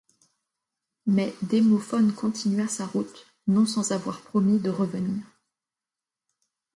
Mais Démophon continua sa route non sans avoir promis de revenir.